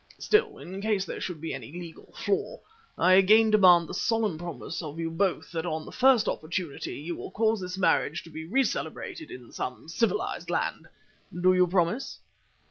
Still, in case there should be any legal flaw I again demand the solemn promise of you both that on the first opportunity you will cause this marriage to be re celebrated in some civilized land. Do you promise?"